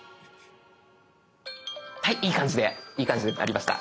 いい感じでいい感じで鳴りました。